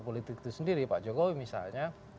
politik itu sendiri pak jokowi misalnya